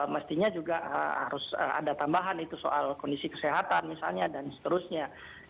mestinya juga harus ada tambahan itu soal kondisi kesehatan misalnya dan seterusnya